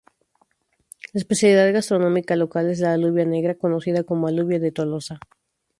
La especialidad gastronómica local es la alubia negra, conocida como "alubia de Tolosa".